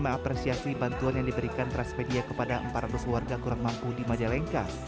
mengapresiasi bantuan yang diberikan transmedia kepada empat ratus warga kurang mampu di majalengka